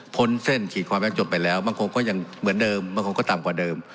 ้นเส้นขีดความรักจบไปแล้วบางคนก็ยังเหมือนเดิมบางคนก็ต่ำกว่าเดิม